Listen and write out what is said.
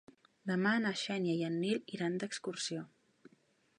Demà na Xènia i en Nil iran d'excursió.